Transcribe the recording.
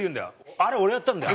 「あれ俺がやったんだよ」。